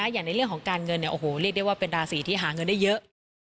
อย่างในเรื่องของการเงินเรียกได้ว่าเป็นราศีที่หาเงินได้เยอะ